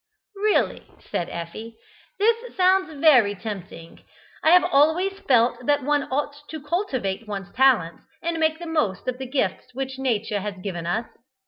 "Really," said Effie, "this sounds very tempting. I have always felt that one ought to cultivate one's talents, and make the most of the gifts which Nature has given us.